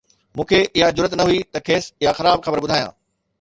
مون کي اها جرئت نه هئي ته کيس اها خراب خبر ٻڌايان